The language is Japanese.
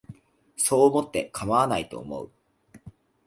そう思ってかまわないと思う